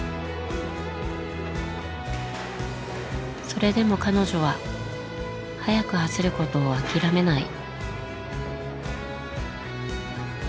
それでも彼女は速く走ることを諦めない。